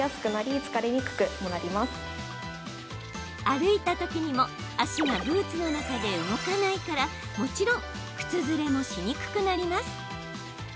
歩いたときにも足がブーツの中で動かないからもちろん靴ずれもしにくくなります。